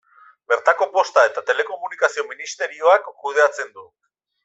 Bertako Posta eta Telekomunikazio ministerioak kudeatzen du.